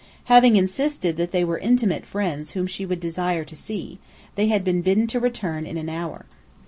Having insisted that they were intimate friends whom she would desire to see, they had been bidden to return in an hour.